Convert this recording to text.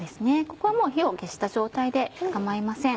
ここはもう火を消した状態で構いません。